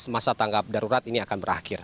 masa tanggap darurat ini akan berakhir